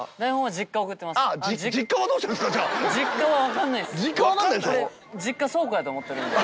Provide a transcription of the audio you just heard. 実家は分かんないんでしょ。